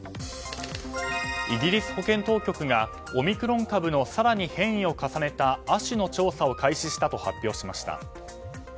イギリス保健当局がオミクロン株の更に変異を重ねた亜種の調査を開始したと発表しました。